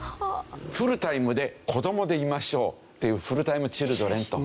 「フルタイムで子どもでいましょう」っていうフルタイムチルドレンと。